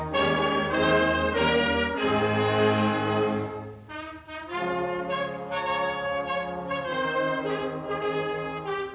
silakan mengikat komentar di bawah video tersebut